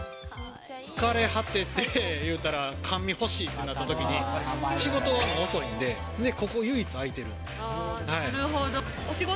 疲れ果てて、いうたら、甘味欲しいってなったときに、仕事が遅いんで、なるほど。